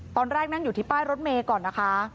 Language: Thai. ตอนแรกนั่งอยู่ที่ป้ายรถเมย์ก่อนนะคะ